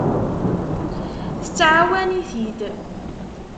Tettɛawan-it-id.